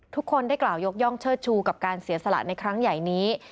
ทุกคนได้กล่าวยกย่องเชิดชูกับการเสียสละในครั้งใหญ่นี้